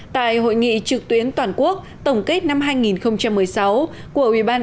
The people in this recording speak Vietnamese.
tại hội nghị trực tuyến toàn quốc tổng kết năm hai nghìn một mươi sáu của uban